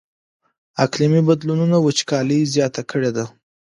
اقلیمي بدلونونو وچکالي زیاته کړې ده.